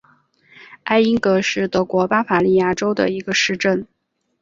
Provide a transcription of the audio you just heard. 艾因格是德国巴伐利亚州的一个市镇。